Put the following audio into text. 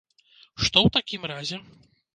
Што ў такім разе?